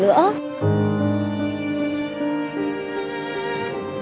những ngành hoa